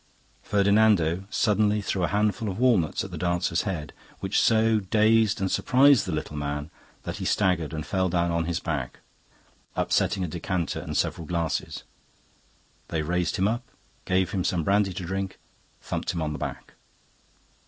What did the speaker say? Ferdinando suddenly threw a handful of walnuts at the dancer's head, which so dazed and surprised the little man that he staggered and fell down on his back, upsetting a decanter and several glasses. They raised him up, gave him some brandy to drink, thumped him on the back.